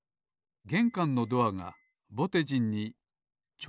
げんかんのドアがぼてじんにちょうどのサイズ。